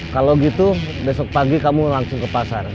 kalau gitu besok pagi kamu langsung ke pasar